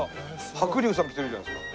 白竜さん来てるじゃないですか。